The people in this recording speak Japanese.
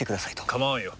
構わんよ。